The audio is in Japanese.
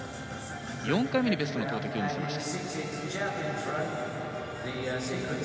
４回目でベストの投てきを見せました。